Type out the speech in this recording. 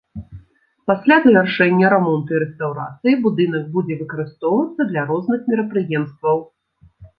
Пасля завяршэння рамонту і рэстаўрацыі, будынак будзе выкарыстоўвацца для розных мерапрыемстваў.